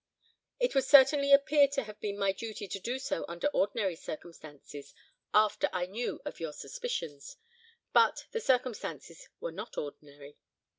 "It would certainly appear to have been my duty so to do under ordinary circumstances, after I knew of your suspicions. But the circumstances were not ordinary.